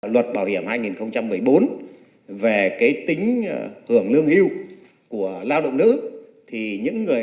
luật bảo hiểm hai nghìn một mươi bốn về tính hưởng lương hưu của lao động nữ